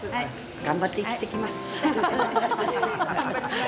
頑張って生きていきます。